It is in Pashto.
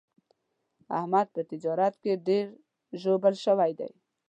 احمد په تجارت کې ډېر ژوبل شوی دی.